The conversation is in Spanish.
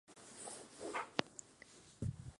Las cartelas son de Dolores León.